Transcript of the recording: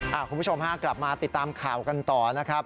คุณผู้ชมฮะกลับมาติดตามข่าวกันต่อนะครับ